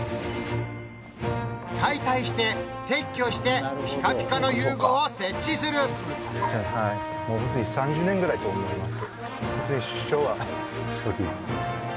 解体して撤去してピカピカの遊具を設置するホントに３０年くらいだと思います。